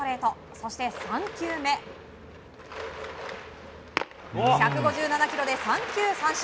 そして、３球目１５７キロで三球三振。